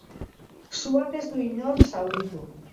Suak ez du inor zauritu.